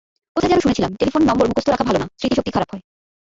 কোথায় যেন শুনেছিলাম টেলিফোন নম্বর মুখস্থ রাখা ভালো না, স্মৃতিশক্তি খারাপ হয়।